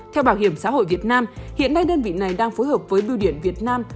theo bảo hiểm xã hội việt nam hiện nay đơn vị này đang phối hợp với bưu điện việt nam